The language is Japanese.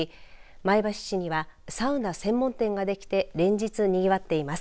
前橋市にはサウナ専門店ができて連日にぎわっています。